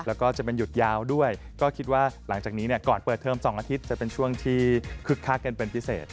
แล้วก็จะเป็นหยุดยาวด้วยก็คิดว่าหลังจากนี้เนี่ยก่อนเปิดเทอม๒อาทิตย์จะเป็นช่วงที่คึกคักกันเป็นพิเศษ